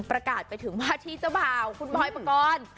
ประกาศไปถึงวาดที่เจ้าบ่าวคุณปลอยประกอด